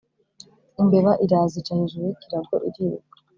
" Imbeba iraza ica hejuru y’ ikirago iriruka